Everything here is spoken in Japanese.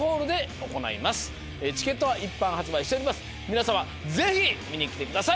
皆様ぜひ見に来てください。